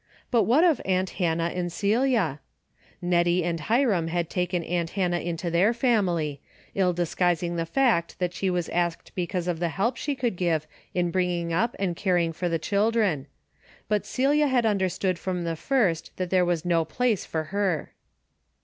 But what of aunt Hannah and Celia ? Hettie and Hiram had taken aunt Hannah into their family, ill disguising the fact that she was asked because of the help she could give in bringing up and caring for the chil dren, but Celia had understood from the first that there was no place for her.